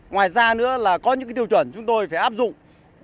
ngoài ra nữa là có những tiêu chuẩn chúng tôi phải áp dụng